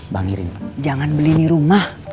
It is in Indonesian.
bang mirin jangan beli ini rumah